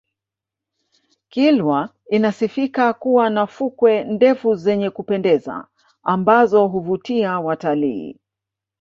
kilwa inasifika kuwa na fukwe ndefu zenye kupendeza ambazo huvutia watalii